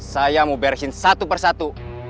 saya mau beresin satu persatu